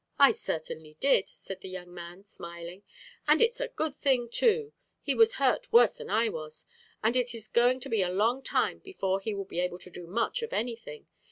"I certainly did!" said the young man, smiling, "and it's a good thing too. He was hurt worse than I was, and it is going to be a long time before he will be able to do much of anything.